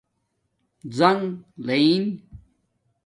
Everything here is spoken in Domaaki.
زنݣ لین